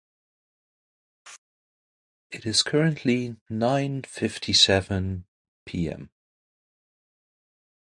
It is currently nine fifty seven p.m.